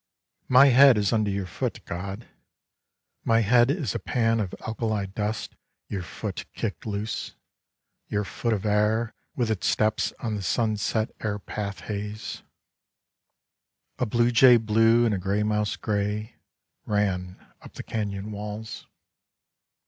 " My head is under your foot, God. My head is a pan of alkali dust your foot kicked loose — your foot of air with its steps on the sunset airpath haze. 72 Slabs of the Sunburnt West (A bluejay blue and a gray mouse gray ran up the canyon walls.)